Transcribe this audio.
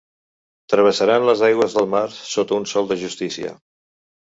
Travessaran les aigües del mar sota un sol de justícia.